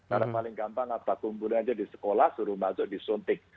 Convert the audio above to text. karena paling gampang apa kumpulan aja di sekolah suruh masuk di suntik